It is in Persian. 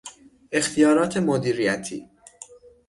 اختیارات مدیریتی